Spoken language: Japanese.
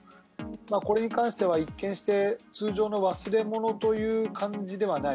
これに関しては一見して通常の忘れ物という感じではない。